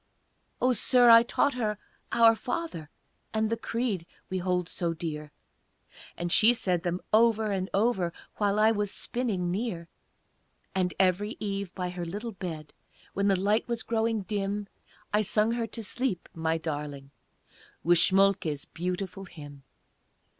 "O Sir, I taught her 'Our Father;' And the 'Creed' we hold so dear, And she said them over and over While I was spinning near; And every eve, by her little bed, When the light was growing dim, I sung her to sleep, my darling! With Schmolke's beautiful hymn."